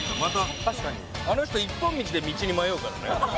あの人一本道で道に迷うからね。